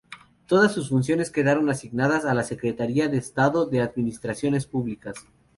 Todas sus funciones quedaron asignadas a la Secretaría de Estado de Administraciones Públicas.